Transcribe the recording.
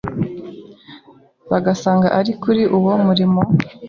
bagasanga ari kuri uwo murimo.